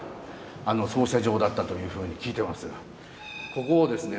ここをですね